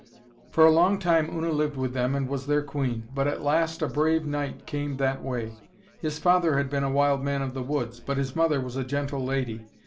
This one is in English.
For a long time Una lived with them and was their queen, but at last a brave knight came that way. His father had been a wild man of the woods, but his mother was a gentle lady.